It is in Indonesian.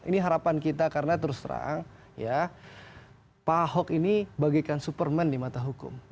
ini harapan kita karena terus terang ya pak ahok ini bagaikan superman di mata hukum